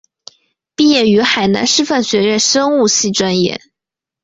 毕业于海南师范学院生物系专业。